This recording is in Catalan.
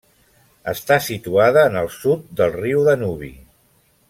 Està situada en el sud del riu Danubi.